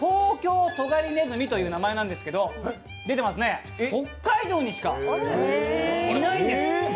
トウキョウトガリネズミという名前なんですけど北海道にしかいないんです。